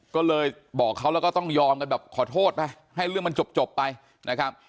ก็เลยบอกเขาแล้วก็ต้องยอมกันแบบขอโทษไปให้เรื่องมันจบไปนะครับ